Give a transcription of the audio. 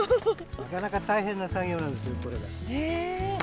なかなか大変な作業なんですよ。